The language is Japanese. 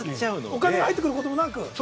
お金が入ってくることもなく？